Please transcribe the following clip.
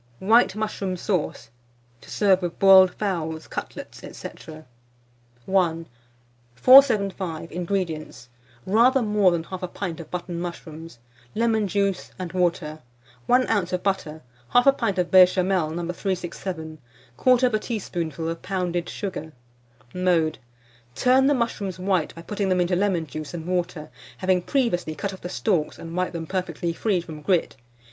WHITE MUSHROOM SAUCE, to serve with Boiled Fowls, Cutlets, &c. I. 475. INGREDIENTS. Rather more than 1/2 pint of button mushrooms, lemon juice and water, 1 oz. of butter, 1/2 pint of Béchamel, No. 367, 1/4 teaspoonful of pounded sugar. Mode. Turn the mushrooms white by putting them into lemon juice and water, having previously cut off the stalks and wiped them perfectly free from grit.